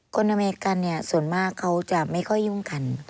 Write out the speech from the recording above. อเมริกันเนี่ยส่วนมากเขาจะไม่ค่อยยุ่งกัน